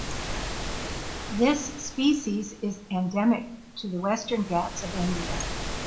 This species is endemic to the Western Ghats of India.